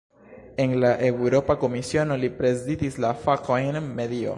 En la Eŭropa Komisiono, li prezidis la fakojn "medio".